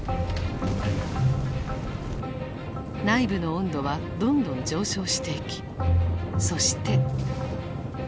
内部の温度はどんどん上昇していきそして。